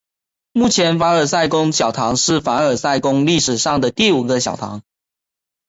目前的凡尔赛宫小堂是凡尔赛宫历史上的第五个小堂。